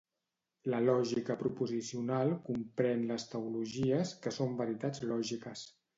La lògica proposicional comprèn les tautologies, que són veritats lògiques.